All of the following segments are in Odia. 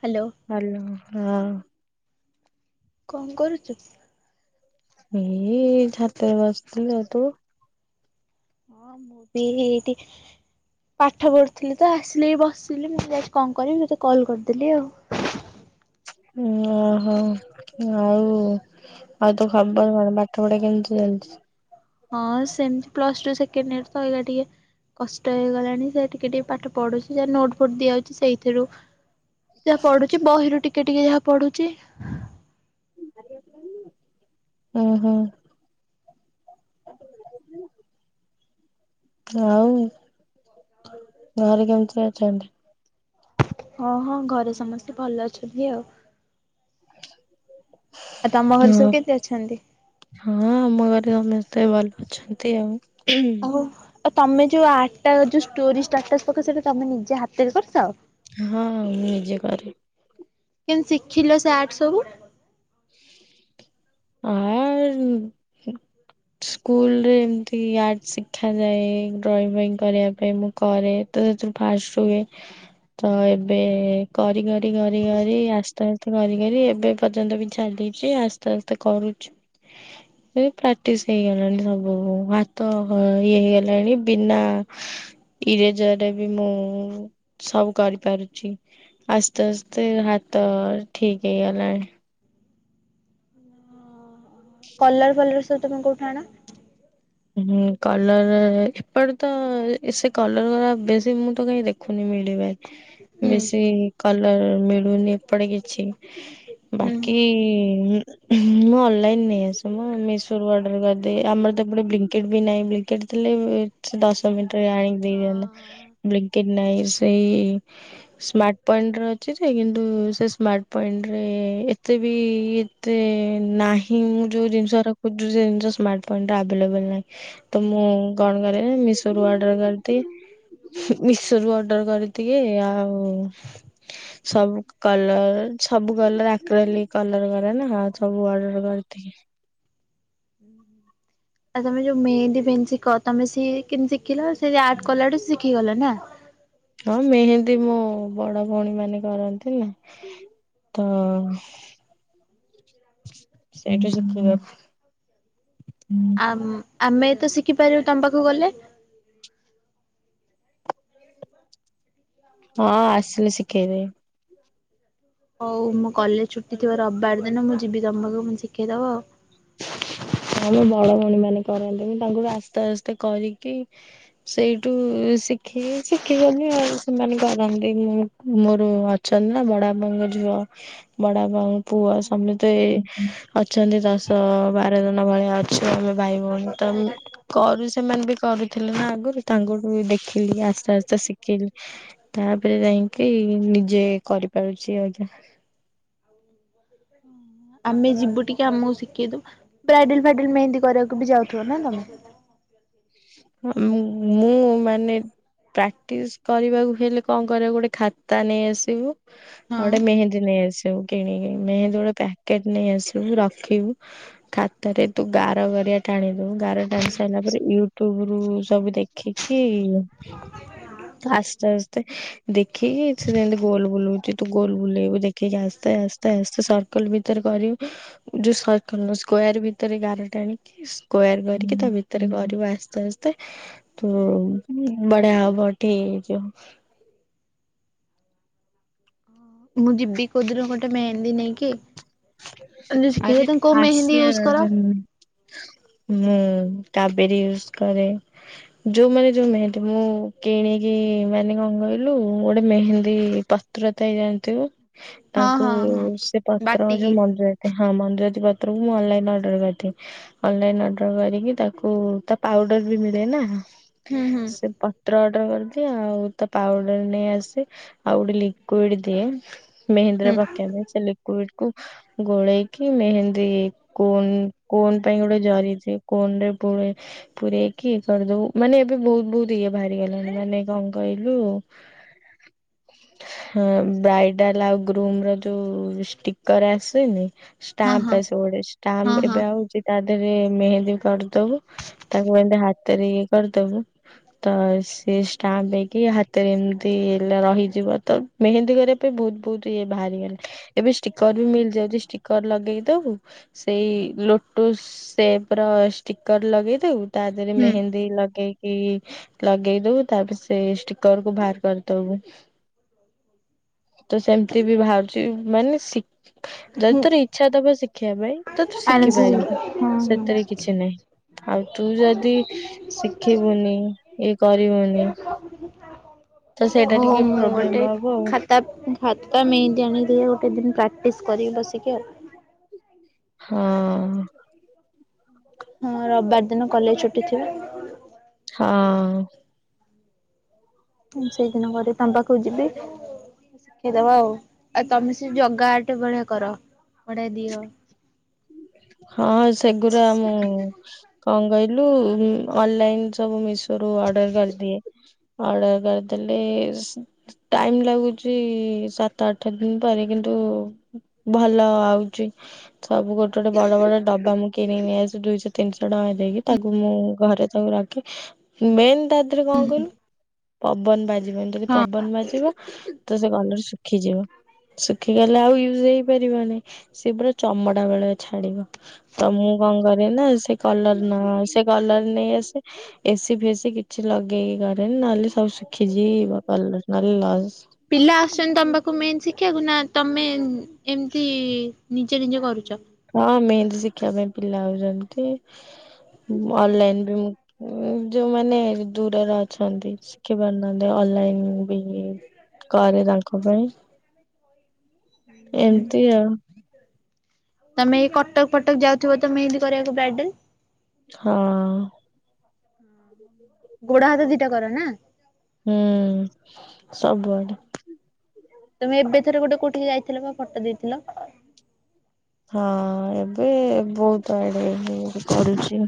ହ୍ୟାଲୋ ଆଲୋ ହଁ। କଣ କରୁଛୁ। ଏଇ ଛାତ ରେ ବସିଥିଲ ଆ ତୁ ହଁ ମୁଁ ବି ଏଇଠି ପାଠ ପଢୁଥିଲି ତ। ଆସିଲି ବସିଲି ମୁଁ ଆଜି କଣ କରି ତତେ କଲ କରିଦେଲି ଆଉ। ଓହୋ ଆଉ ଆଉ ତ ଖବର କଣ ପାଠ ପଢା କେମିତି ଚା ଚାଲିଚି ହଁ ସେମତି ପ୍ଲସ ଟୁ ସେକେଣ୍ଡ୍ ଇଅର ତ ଏଇଆ ଟିକେ। କଷ୍ଟ ହେଇଗଲାଣି ସେ ଟିକେ ଟିକେ ପାଠ ପଢୁଛି ଯ ନୋଟ ବୋଟ ଦିଆଯାଉଛି ସେଇଥିରୁ। ଯାହା ପଢୁଛି ବହିରୁ ଟିକେ ଟିକେ ଯାହା ପଢୁଛି। ଓ ହୋ। [inaudible] ଆଉ ଘରେ କେମିତି ଅଛନ୍ତି। ହଁ ହଁ ଘରେ ସମସ୍ତେ ଭଲ ଅଛନ୍ତି ଆଉ। ଆଉ ତମ ଘରେ ହଁ ସବୁ କେମିତି ଅଛନ୍ତି? ହଁ ଆମର। ସମସ୍ତେ ଭଲ ଅଛନ୍ତି ଆଉ। ଆଉ ଆଉ ତମେୋଉ ଆର୍ଟଟା ଯେଉଁ ଷ୍ଟୋରି ଷ୍ଟାଟସ୍ ପକ ସେଇଟା ତମେ ନିଜେ ହାତରେ କରିଚ ଆଉ। ହଁ ମୁଁ ନିଜ କରିବି କେମତି ଶିଖିଲ ସେ ଆର୍ଟ ସବୁ। ଆ ସ୍କୁଲ ରେ ଏମତି ଆର୍ଟ ଶିଖାାଯାଏ ଡ୍ରଇଂ କରିବା ପାଇଁ ମୁଁ କରେ ତ ଫାଷ୍ଟ ରୁଏ ତ ଏବେ କରି କରି କରି କରି ଆସ୍ତେ ଆସ୍ତେ କରି କରି ଏବେ ପର୍ଯ୍ୟନ୍ତ ବି ଚାଲିଛି ଆସ୍ତେ ଆସ୍ତେ କରୁଛୁ। ପ୍ରାକ୍ଟିସ ହେଇଗଲାଣି ସବୁ ହାତ ଇଏ ହେଇଗଲାଣି ବିନା। ଇରେଜରେ ବି ମୁଁ ସବୁ କରିପାରୁଛି ଆସ୍ତେ ଆସ୍ତେ ହା ତ ଠିକ୍ ହେଇ ଗଲାଣି କଲର ଫଲର ସବୁ ତମେ କୋଉଠୁ ଆଣ। ହୁଁ କଲର ଏପଟେ ତ ସେ କଲର ବେଶୀ ମୁଁ ତ କାଇହିଁ ଦେଖୁନି। ମିଳିବ ହୁଁ। ବେଶୀ କଲର ମିଳୁନି ଏପଟେ କିଛି। ହୁଁ। ବାକି ଇଁ ମୁଁ ଅନଲାଇନ ନେଇ ଆସୁ ମିଶୋ ରୁ ଅର୍ଡର କରିଦି ଆମର ତ ଟେ ବ୍ଙ୍କେଟ ବି ନାହିଁ ବ୍ଙ୍କେଟ ଦଶ ମିିନିଟର ଆଣିକି ହଁ। ଦେଇନ୍ତା ବ୍ଲି କି ନାଇଁ ସେଇ ସ୍ମାର୍ଟ ପଏଣ୍ଟ ର ଅଛି କିନ୍ତୁ ସେ ସ୍ମାର୍ଟ ପଏଣ୍ଟରେ ଏତେ। ବି ଏତେ ନାହିଁ ମୁଁ ଯୋଉ ଜିନିଷ ରଖୁଛି ସେ ଜିନିଷ ସ୍ମାର୍ଟ ପଏଣ୍ଟ୍ ଆଭେଲେବଲ୍ ନାଇଁ ତ ମୁଁ କଣ କରେ ମିଶ ରୁ ଅଡ଼ର କରିଦିଏ। ମିଶୋ ରୁ ଅର୍ଡର କରିଦିଏ ଆଉ ସବୁ କଲର୍ ସବୁ କଲର ଆକୁଲାରି କଲର କରେ ନା ସବୁ ଅଡର କରିିଦିଏ ଆଉ ତମେ ଯୋଉ ମେହେନ୍ଦି ବେହନୀ ଶିଖ ତମେ ସିଏ କେମତି ଶିଖିଲ ସେ ଆ କଲାୁ ଶିଖିଗଲ ନା ହଁ ମେହେନ୍ଦୀ ମୋ ବଡ଼ ଭଉଣୀ ମାନେ କରନ୍ତି ନା। ତ ସେଇଠୁ ଶିଖିବାକୁ [unintelligible] ଆ ଆମେ ତ ଶିଖିପାରିବୁ ତମ ପାଖକୁ ଗଲେ? ହଁ ଆସିଲେ ଶିଖେଇବେ। ହଉ ମୁଁ କଲେଜ ଛୁଟି ଥିବ ରବିବାର ଦିନ ମୁଁ ଯିବି ତମ ପାଖକୁ ଶିଖେଇ ଦବ ଆଉ। [unintelligible] ହଁମ ବଡ ଭଉଣୀ ମାନେ କରନ୍ତୁ ମୁଁ ତାଙ୍କଠୁ ଆସ୍ତେ ଆସ୍ତେ କରିକି ସେଇଠୁ ଶିଖିକି ଶିଖିଗଲି ଆଉ ସେମାନେ କରନ୍ତି ମୁଁ ମୋର ଅଛନ୍ତିନା ବଡବାପାଙ୍କ ଝିଅ ବଡବାପାଙ୍କ ପୁଅ ସମସ୍ତେ ଅଛନ୍ତି। ତ ବାର ଜଣ ଭଳିଆ ଅଛୁ ଆମେ ଭାଇ ଭଉଣୀ ତ କରୁ ସେମାନେ ବି କରୁଥିଲୁ ନା ଆଗରୁ ତାଙ୍କଠୁ ଦେଖିଲି ଆସ୍ତେ ଆସ୍ତେ ଶିଖି ଖିଲି ତାପରେ ଯାଇକି ନିଜେ କରିପାରୁଛି ଆଜ୍ଞା। [inaudible] ଆମେ ଯିବୁ ଟିକେ ଆମକୁ ଶିଖେଇଦବୁ ବ୍ରାଇଡେଲ ଫାଇଡେଲ ମେହେନ୍ଦୀ କରିବାକୁ ବି ଯାଉଥିବ ନା? ତମେ ହଁ ମୁଁ ମୁଁ ମାନେ ପ୍ରାକ୍ଟିସ କରିବାକୁ ହେଲେ କଣ କରିବ ଗୋଟେ ଖାତା ନେଇ ଆସିବୁ। ଆଉ ହଁ। ଗୋଟେ ମେହେନ୍ଦୀ ନେଇ ଆସିବୁ କିଣିକି ମେହେନ୍ଦୀ ଗୋଟେ ପ୍ୟା ଟ ନେଇ ଆସିବୁ ରଖିବୁ ଖାତରେ ତୁ ଗାର ଗାରିଆ ଟାଣି ଦବୁ ଗାର ଟାଣି ସାରିଲା ୟୁଟ୍ୟୁବରୁ ସବୁ ଦେଖିକି ଆସ୍ତେ ଆସ୍ତେ ଦେଖିକି ସେ ଯେମିତି ଗୋଲ ବୁଲଉଛି ତୁ ଗୋଲ ବୁଲେଇବୁ ଦେଖିକି ଆସ୍ତେ ସ୍ତେ ଆସ୍ତେ ଆସ୍ତେ ସର୍କଲ ଭିତରେ କରିବ ଯୋଉ ସର୍କଲ ନୁହଁ ସ୍କୋୟାର ଭିତରେ ଗାର ଟାଣିକି ସ୍କୋୟାର କରିକି ତା ଭିତରେ କରିବା ଆ ଆସ୍ତେ ଆସ୍ତେ ତୋ ବଢ଼ିଆ ହବ ଠିକ ହେଇଯିବ। [inaudible] ମୁଁ ଯିବି କୋଉଦିନ ଗୋଟେ ମେହେନ୍ଦୀ ନେଇକି ଶିଖେଇଦେବ ଆରେ ତମେ କୋଉ ମେହେନ୍ଦୀ ଆସିବା ୟୁଜ କର? କଥା ନୁହଁ ହୁଁ। କବେରୀ ୟୁଜ କରେ ଯୋଉମାନେ ଯୋଉ ମେହେତି ମୁଁ କିଣିକି ମାନେ କଣ କହିଲୁ ଗୋଟେ ମେହେନ୍ଦୀ ପାତ୍ରତାଇ ଜାଣି ଥିବୁ। ହଁ ତାଙ୍କୁ ହଁ ହଁ ସେ ପତ୍ର ଯୋଉ ବାଟିକି। ମଞ୍ଜୁଆତି। ହଁ ମଞ୍ଜୁଆତି ପତ୍ରକୁ ମୁଁ ଅନଲାଇନ ଅର୍ଡର କରିଦିଏ ଅନଲାଇନ ଅର୍ଡର କରିକି ତାକୁ ତା ପାଉଡର ବି ମିଳେନା। ହୁଁ ହୁଁ। ସେ ପତ୍ର ଅର୍ଡର କରିଦିଏ ଆଉ ତା ପାଉଡର ନେଇ ଆସେ। ଆଉ ଗୋଟେ ଲିକ୍ୟୁଡ ଦିଏ। ମେହେନ୍ଦୀରେ ହୁଁ ପକେଇବେ ସେ ଲିକ୍ୟୁଡକୁ ଗୋଳେଇକି ମେହେନ୍ ରେ କୋନ କୋନ ପାଇଁ ଗୋଟେ ଜରି ଅଛି। କୋନରେ ପୁରେ ପୁରରେଇକି ଇଏ କରିଦବୁ ମାନେ ଏବେ ବହୁତ ବହୁତ ଇଏ ବାହାରି ଗଲାଣି ମାନେ କଣ କହିଲ ଇଲୁ ହଁ ବ୍ରାଇଡାଲ ଆଉ ଗ୍ରୁମର ଯୋଉ ଷ୍ଟିକର ଆସୁନି। ହଁ ଷ୍ଟାମ୍ପ ହଁ ଆସେ ସେଗୁଡା ହଁ ଷ୍ଟାମ୍ପ ହଁ ଏବେ ଆଉଛି ତା ରେ ମେହେନ୍ଦୀ କରିଦବୁ ତାକୁ ଏମିତି ହାତରେ ଇଏ କରିଦବୁ ତ ସେ ଇଏ ଷ୍ଟାମ୍ପ ହେଇକି ହାତରେ ଏମିତି ଲା ରହିଯିବ ତ ମେହେନ୍ଦୀ କରିବା ପାଇଁ ବହୁତ ବହୁତ ଇଏ ବାହାରେ ଏବେ କରି ବି ମିଳିଯାଉଛି ଷ୍ଟିକର ଲଗେଇ ଦବୁ ସେଇ ଲୋଟସ ସେପର ଷ୍ଟି କରି ଲଗେଇ ଦବୁ ତା ଦେହରେ ହୁଁ। ମେହେନ୍ଦୀ ଲଗେଇ କି ଲଗେଇଦବୁ ତାପରେ ସେ ଷ୍ଟିକରକୁ ବାହାର କରିଦବୁ। ତ ସେମତି ବି ବାହାରୁଛି ମାନେ ଶି ଯଦି ହୁଁ ତୋର ଇଚ୍ଛା ଦବ ଶିଖିବା ପାଇଁ। ତ ତୁ ଆରାମସେ ଯିବି ହଁ ଶିଖିପାରିବୁ ସେଥିରେ କିଛି ନାହିଁ। ଆଉ ତୁ ଯଦି ଶିଖିବୁନି ଇଏ କରିବୁନି। [inaudible] ସେଇଟା ହଉ ଟିକେ ମୁଁ ଗୋଟେ ପ୍ରୋବ୍ଲେମ ହବ ଆଉ ଖାତା ଖାତା ନେଇତକି ଆଣିଥିଲି। ଗୋଟେ ଦିନ ପ୍ରାକ୍ଟିସ କରିବ ବସିକି ଆଉ। ହଁ। ହଁ ରବିବାର ଦିନ କଲେଜ ଛୁଟି ଥିବ। ହଁ। ହୁଁ ସେଇଦିନ ଗଲେ ତମ ପାଖକୁ ଯିବି। ଶିଖେଇଦବ ଆଉ ଆଉ ତମେ ସେ ଜଗା ଆଟ ବଢିଆ କର ବଢିଆ ଦିଅ। ହଁ ସେଗୁରା ମୁଁ କଣ କହି ଲୁ ଅନଲାଇନ ସବୁ ମିଶୋ ରୁ ଅର୍ଡର କରିିଦିଏ। ଅର୍ଡର କରିଦେଲେ, ଟାଇମ ଲାଗୁଛି ସାତ ଆଠ ଦିନ ପରେ କିନ୍ତୁ ଉଁ ଭଲ ଆଉଛି ସବୁ ଗୋ ଟେ ଗୋଟେ ବଡ ବଡ ଡବା ମୁଁ କିଣି ନେଇ ଆସେ ଦୁଇଶହ ତିନିଶହ ଟଙ୍କା ଦେଇକି ତାକୁ ମୁଁ ଘରେ ତାକୁ ରଖି ମେନ୍ ତା ଦେହରେ କଣ କହିଲୁ ପବନ ବାଜିବନି ଯଦି ହଁ ପବନ ବାଜିବ ତ ସେ କଲର ଶୁଖିଯିବ ଶୁଖିଗଲେ ଆଉ ୟୁଜ ହେଇପାରିବ ନାହିଁ ସେ ପୁରା ଚମଡା ଭଳିଆ ଛାଡ଼ିବ ତ ମୁଁ କଣ କରେ ନା ସେ କଲର ସେ କଲର ନେଇ ଆସେ ଏସି ସେ କିଛି ଲଗେଇକି କରେନି ନହେଲେ ସବୁ ଶୁଖିଯିବ କଲର ନହେଲେ ସବୁ ଲସ। ସେନ୍ ତମ ପାଖକୁ ମେନ୍ ଶିଖିବାକୁ ନା ତମେ ଏମିତି ନିଜେ ନିଜେ କରୁଚ? ହଁ ମେନ ଶିଖିବା ପାଇଁ ପିଲା ଆଉଛନ୍ତି ଅନଲାଇନ ବି ମୁ ଉ ଯୋଉମାନେ ଦୂରରେ ଅଛନ୍ତି ଶିଖି ପାରୁନାହାନ୍ତି ଅନଲାଇନ ବି କରେ ତାଙ୍କ ପାଇଁ ଏମିତି [inaudible] [unintelligible] ତମେ ଏଇ କଟକ ଫଟକ ଯାଉଥିବ ତ ମେହେନ୍ଦି କରିବାକୁ ବ୍ରାଇଡାଲ? ହଁ। ଗୋଡ ହାତ ଦିଟା କର ନା? ହୁଁ ସବୁଆଡେ ତମେ ଏବେ ଥର ଗୋଟେ କୋଉଠିକି ଯାଇଥିଲ ବା ଫଟୋ ଦେଇଥିଲ? ହଁ ଏବେ ବହୁତ ଆଡେ କରୁଛି।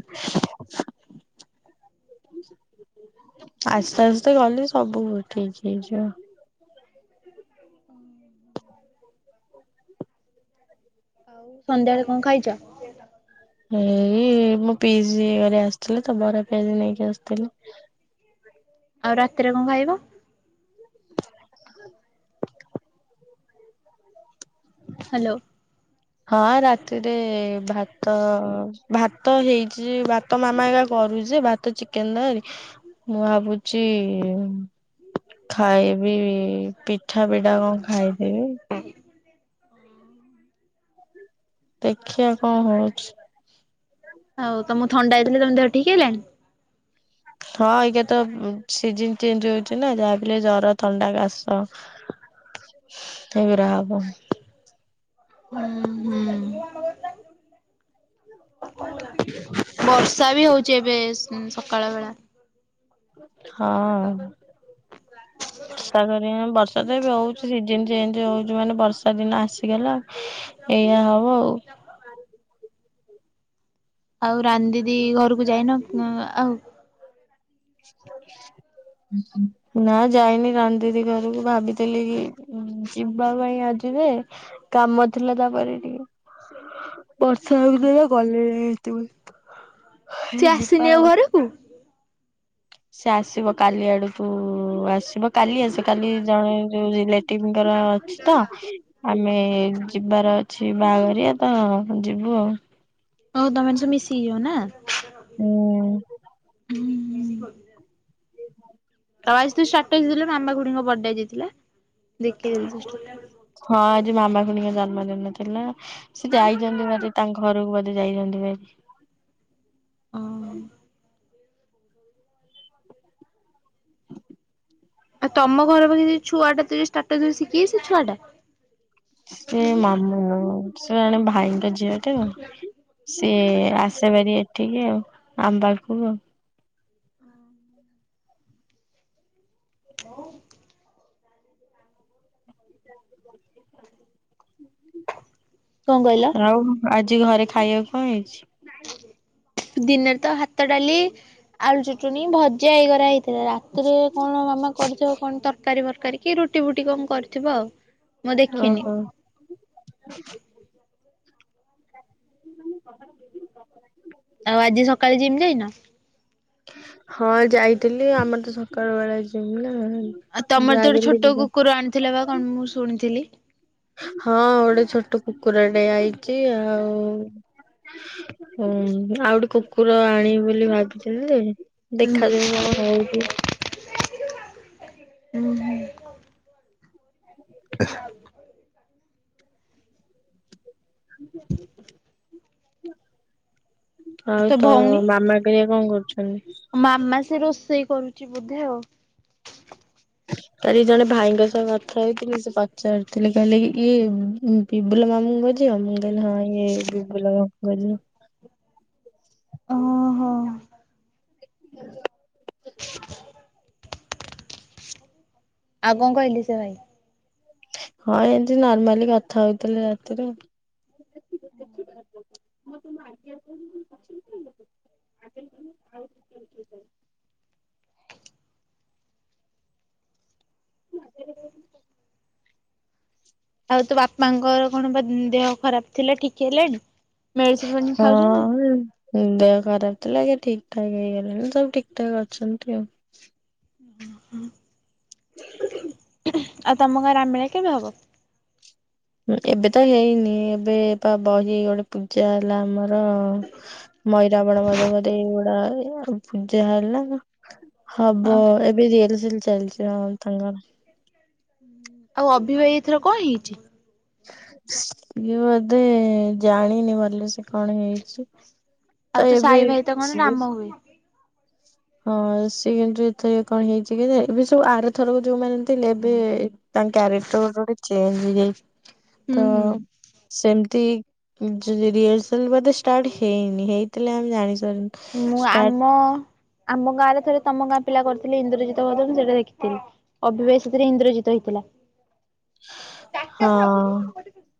[inaudible] ଆସ୍ତେ ଆସ୍ତେ ଗଲେ ସବୁ ଠିକ ହେଇଯିବ। [inaudible] ଆଉ ସନ୍ଧ୍ୟାବେଳେ କଣ ଖାଇଛ? ଏଇ ଏ ମୋ ପିସି ଘରେ ଆସିଥିଲି ତ ବରା ପିଆଜି ନେଇକି ଆସିଥିଲେ। ଆଉ ରାତିରେ କଣ ଖାଇବ? [inaudible] ହାଲୋ। ହଁ ରାତିରେ ଭାତ ଅ ଭାତ ହେଇଛି ଯେ ଭାତ ମାମା ଏକା କରୁଛି ଯେ ଭାତ, ଚିକେନ ତରକାରୀ। ମୁଁ ଭାବୁ ଛି ଖାଇବି ଇ ପିଠା ଫିଠା କଣ ଖାଇଦେବି। ଅଁ। ଦେଖିଆ କଣ ହଉଛି? ହଉ ତମକୁ ଥଣ୍ଡା ହେଇଥିଲା ତମ ଦେହ ଠିକ ହେଲାନି? ହଁ ଏଇକା ତ ସିଜିନ ଚେଞ୍ଜ ହଉଛି ନା ଯାହାବିହେଲେ ଜର, ଥଣ୍ଡା, କାଶ। ଏଇରା ହବ। ହୁଁ ହୁଁ। ବର୍ଷା ବି ହଉଛି ଏବେ ସକାଳ ବେଳା। ହଁ ବର୍ଷା କରିବା ବର୍ଷା ତ ଏବେ ହଉଛି ସିଜନ ଚେ ଞ୍ଜ ହଉଛି ମାନେ ବର୍ଷା ଦିନ ଆସିଗଲା ଏଇଆ ହବ ଆଉ। ଆଉ ରାନୀ ଦିଦି ଘରକୁ ଯାଇନ, ଆଉ? [inaudible] ନା ଯାଇନି ରାନୀ ଦିଦି ଘରକୁ ଭାବିଥିଲି କି ଯିବା ପାଇଁ ଆଜି ଯେ କାମ ଥିଲା ତା ପାଖରେ ଟିକେ। ବର୍ଷା ହେ ଭିତରେ ଗଲେ ହେଇଥ ସେ ଆସିନି ଆଉ ଘରକୁ? ସେ ଆସିବ କାଲି ଆଡ଼କୁ ଉ ଆସିବ କାଲି ଆସ କାଲି ଜଣେ ଯୋଉ ଲେଟିଙ୍କର ଅଛି ତ ଆମେ ଯିବାର ଅଛି ବାହାଘରିଆ ତ ଯିବୁ ଆଉ। ହଉ ତମେମାନେ ସବୁ ମିଶିକି ଯିବ ନା? ହୁଁ। [inaudible] ତମେ ଆଜି ଯୋଉ ସ୍ଟାଟସ ଦେଲ ମାମା ଖୁଡ଼ିଙ୍କ ବଡ଼େ ଆଜି ଥିଲା ଦେଖିଥିଲି ସେ ସ୍ଟାଟସ ଟା। ହଁ ଆଜି ମାମା ଖୁଡ଼ିଙ୍କ ଜନ୍ମଦିନ ଥିଲା ସେ ଯାଇଛନ୍ତି ମଧେ ତାଙ୍କ ଘରକୁ ବୋଧେ ଯାଇଛନ୍ତି ଭାରି। ଆଉ ତମ ଘର ପାଖରେ ଯଉ ଛୁଆ ଦେ ସ୍ଟାଟସ ଦବା ଶିଖିଯାଇଛି ସେ ଛୁଆ ଟା? ସେ ମାମୁନୁ ସେ ଜଣେ ଭାଇଙ୍କ ଝିଅ ଟେ। ସିଏ ଆସେବାରି ଏଠିକି ଆଉ ଆମ୍ବାକୁ ଆଉ ହଁ। [inaudible] କଣ କହିଲ? ଆଉ ଆଜି ଘରେ ଖାଇବାକୁ କଣ ହେଇଛି? ଦିନରେ ତ ହାତ ଡ଼ାଲି ଆଳୁ ଚୁଟୁଣିି ଭଜା ହେଇଗରା ହେଇଥି ଥି ରାତିରେ କଣ ମାମା କରିଥିବ କଣ ତରକାରୀ ବରକାରୀ କି ରୁଟି ଫୁଟି କଣ କରିଥିବ ଆଉ। ମୁଁ ଦେଖିନି ଓହୋ। [inaudible] ଆଉ ଆଜି ସକାଳେ ଜିମ ଯାଇନ? ହଁ ଯାଇଥିଲି ଆମର ତ ସକାଳୁ ବେଳେ ଜିମ୍ ନା ଆଉ ତମର ତ ଯାହାବି ଗୋଟେ ହେଲେ ଛୋଟ ଯିବା। କୁକୁର ଆଣିଥିଲା ବା କଣ ମୁଁ ଶୁଣିଥିଲି। ହଁ ଗୋଟେ ଛୋଟ କୁକୁର ଟେ ଆଇଛି ଆଉ। ହୁଁ ଆଉ ଗୋଟେ କୁକୁର ଆଣିବି ବୋଲି ଭାବିଥିଲି ଯେ ହୁଁ ଦେଖାଯାଉ କଣ ହଉଛି। ହୁଁ ହୁଁ। [inaudible] [inaudible] ଆଉ ତୋ ତ ଭଉଣୀ ମାମା ଏବେ କଣ କରୁଛନ୍ତି? ମାମା ସେ ରୋଷେଇ କରୁଛି ବୋଧେ ଆଉ। କାଲି ଜଣେ ଭାଇଙ୍କ ସହ କଥା ହେଇଥିଲି ସେ ପଚାରିଥିଲେ କହିଲେ କି ଇଏ ବିବୁଲ ମୁଁ ଙ୍କ ଝିଅ ମୁଁ କହିଲି ହଁ ଏଇ ବିବୁଲୁ ଙ୍କ ଝିଅ। ଓ ହୋ। [inaudible] ଆଉ କଣ କହିଲେ ସେ ଭାଇ? ହଁ ଏମିତି ନର୍ମାଲି କଥା ହଉଥିଲୁ ରାତିରେ। [inaudible] [inaudible] ଆଉ ତୋ ବାପାଙ୍କର କଣ ପା ଦେହ ଖରାପ ଥିଲା ଠିକ ହେଲାଣି? ମେଡିସିନ ଫେଡିସିନ ହଁ। ଖାଉଛନ୍ତି ଦେହ ଖରାପ ଥିଲା ଏ ଠିକ ଠାକ ହେଇଗଲାଣି ସବୁ ଠିକ ଠାକ ଅଛନ୍ତି ଆଉ। ହ ହଁ। [inaudible] ଆଉ ତମ ଘରାମିଳା କେବେ ହବ? ଉଁ ଏବେ ତ ହେଇନି ଏବେ ତ ବହି ଗୋଟେ ପୂଜା ହେଲା ଆମର। ମଇରାବଣ ମଧ ମଧେ ଏଇଗୁଡ଼ା ପୂଜା ହେଲା ନା ହବ ଏବେ ରିଏଲସିଏଲ ଚାଲିଛି ହଁ। ତାଙ୍କର। ଆଉ ଅଭି ଭାଇର ଏଥର କଣ ହେଇଛି? ଏ ବୋଧେ ଜାଣିନି ଭଲସେ କଣ ହେଇଛି? ଆଉ ତୋ ଏବେ ସାଇ ଭାଇ ତ କଣ ସେ। ରାମ ହୁଏ। ହଁ ସିଏ କିନ୍ତୁ ଏଥର କଣ ହେଇଛି କି ଏବେ ସବୁ ଆରଥରକୁ ଯୋଉଁମାନେ ଥିଲେ ଏବେ ତାଙ୍କ କ୍ୟାରେକ୍ଟର ବହୁତ ଚେଞ୍ଜ ହେଇଯାଇଛି ହୁଁ ତ ହୁଁ। ସେମିତି ରିୟଲସେଲ ବୋଧେ ଷ୍ଟାର୍ଟ ହେଇନି ହେଇଥିଲେ ଆମେ ଜାଣି ନା ଆମ ଆମ ଗାଁରେ ଥରେ ତମ ଗାଁ ପିଲା କରିଥିଲେ ଇନ୍ଦ୍ରଜିତ୍ ସେଇଟା ଦେଖିଥିଲି ଅଭି ଭାଇ ସେଥିରେ ଇନ୍ଦ୍ରଜିତ୍ ହେଇଥିଲା। ହଁ।